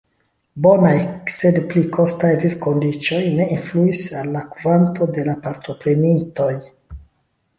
Bonaj, sed pli kostaj, vivkondiĉoj ne influis al la kvanto de la partoprenintoj.